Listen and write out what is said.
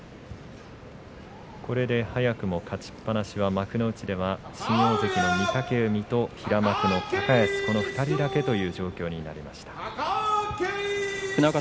これで早くも勝ちっぱなしは幕内では御嶽海と平幕の高安２人だけということになりました。